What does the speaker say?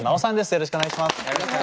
よろしくお願いします。